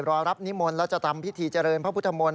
รอรับนิมนต์แล้วจะทำพิธีเจริญพระพุทธมนต